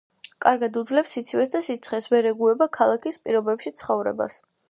კარგად უძლებს სიცივეს და სიცხეს, ვერ ეგუება ქალაქის პირობებში ცხოვრებას.